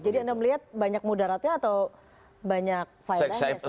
jadi anda melihat banyak mudaratnya atau banyak file lainnya